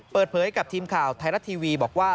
เปิดเผยกับทีมข่าวไทยรัฐทีวีบอกว่า